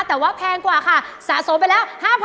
แต่ว่าแพงกว่าค่ะสะสมไปแล้ว๕๐๐๐